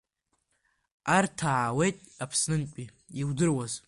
Арҭ аауеит Аԥснынтәи, иудыруаз…